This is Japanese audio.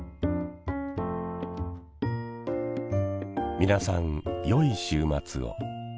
皆さんよい週末を。